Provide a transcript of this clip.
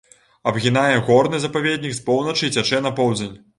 Абгінае горны запаведнік з поўначы і цячэ на поўдзень.